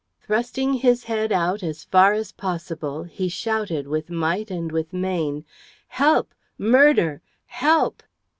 Thrusting his head out as far as possible, he shouted, with might and with main "Help! Murder! Help!"